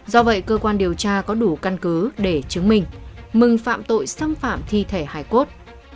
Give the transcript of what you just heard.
do vậy cơ quan điều tra có đủ căn cứ để chứng minh mừng phạm tội xâm phạm thi thể hải cốt